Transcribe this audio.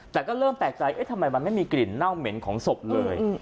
แต่ก็เริ่มแปลกใจเอ๊ะทำไมมันไม่มีกลิ่นเน่าเหม็นของศพเลย